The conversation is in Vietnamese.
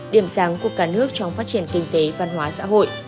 điểm sáng của cả nước trong phát triển kinh tế văn hóa xã hội